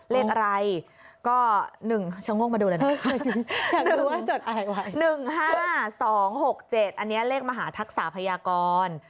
เลขอะไรก็๑ชังงกมาดูเลยนะ๑๕๒๖๗อันนี้เลขมหาทักษะพยากร